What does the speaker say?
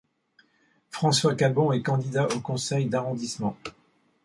François Cabon est candidat au conseil d'arrondissement.